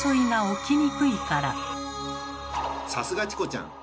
さすがチコちゃん！